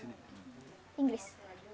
iya belajar inggris